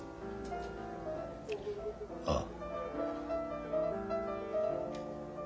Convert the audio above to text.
ああ。